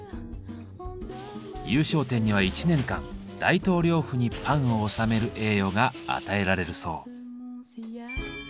優勝店には１年間大統領府にパンを納める栄誉が与えられるそう。